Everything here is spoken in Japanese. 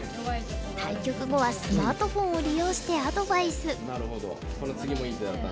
対局後はスマートフォンを利用してアドバイス。